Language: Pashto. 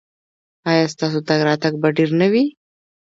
ایا ستاسو تګ راتګ به ډیر نه وي؟